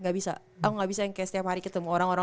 gak bisa aku nggak bisa yang kayak setiap hari ketemu orang orang